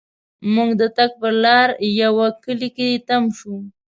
مونږ د تګ پر لار یوه کلي کې تم شوو.